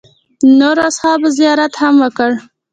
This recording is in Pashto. د نورو اصحابو زیارت هم وکړ.